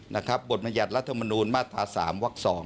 นะครับบทมัญญาตรรัฐธรรมนูญมาตรา๓วัก๒